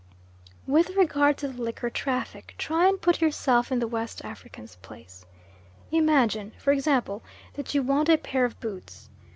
With regard to the liquor traffic, try and put yourself in the West African's place. Imagine, for example, that you want a pair of boots.